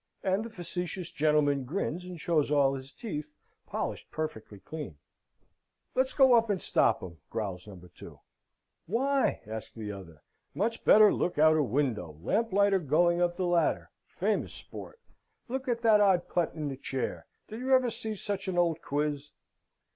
And the facetious gentleman grins, and shows all his teeth, polished perfectly clean. "Let's go up and stop 'em," growls No. 2. "Why?" asks the other. "Much better look out a window. Lamplighter going up the ladder famous sport. Look at that old putt in the chair: did you ever see such an old quiz?"